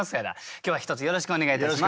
今日は一つよろしくお願いいたします。